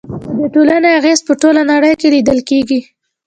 د دې ټولنې اغیز په ټوله نړۍ کې لیدل کیږي.